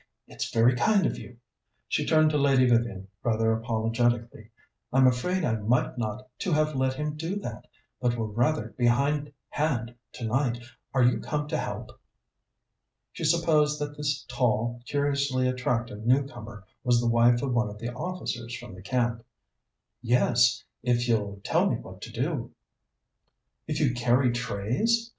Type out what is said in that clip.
It's very kind of you." She turned to Lady Vivian rather apologetically. "I'm afraid I ought not to have let him do that, but we're rather behindhand tonight. Are you come to help?" She supposed that this tall, curiously attractive new comer was the wife of one of the officers from the camp. "Yes, if you'll tell me what to do." "If you'd carry trays?